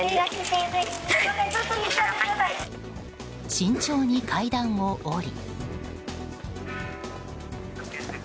慎重に階段を下り。